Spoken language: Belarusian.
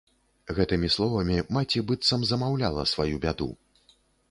Гэтымі словамі маці быццам замаўляла сваю бяду.